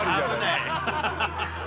危ない。